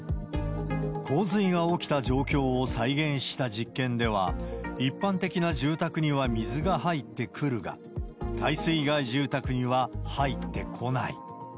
洪水が起きた状況を再現した実験では、一般的な住宅には水が入ってくるが、耐水害住宅には入ってこない。